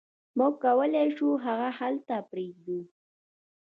موږ کولی شو هغه هلته پریږدو